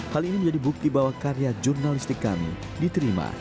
hal ini menjadi bukti bahwa karya jurnalistik kami diterima